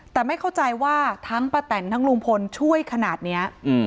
แต่ไม่เข้าใจว่าทั้งป้าแตนทั้งลุงพลช่วยขนาดนี้